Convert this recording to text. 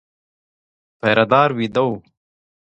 پيره دار وېده و.